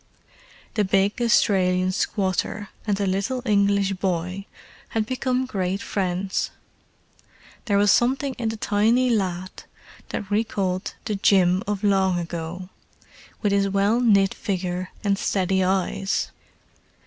The big Australian squatter and the little English boy had become great friends: there was something in the tiny lad that recalled the Jim of long ago, with his well knit figure and steady eyes.